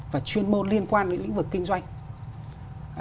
và chuyên môn liên quan đến lĩnh vực kinh doanh